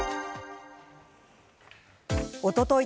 おととい